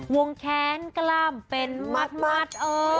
วงแขนกล้ามเป็นมัดเออมัดเออ